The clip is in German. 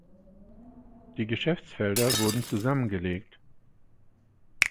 Die Geschäftsfelder wurden zusammengelegt.